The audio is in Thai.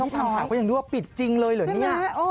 ตอนที่ทำข่าวก็ยังรู้ว่าปิดจริงเลยหรือ